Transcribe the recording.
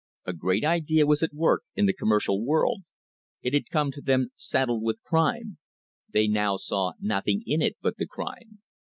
A great idea was at work in the commercial world. It had come to them saddled with crime. They now saw nothing in it but the crime.